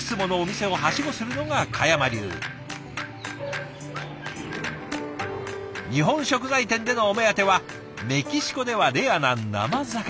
日本食材店でのお目当てはメキシコではレアな生魚。